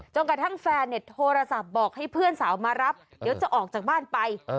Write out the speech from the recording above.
กระทั่งแฟนเนี่ยโทรศัพท์บอกให้เพื่อนสาวมารับเดี๋ยวจะออกจากบ้านไป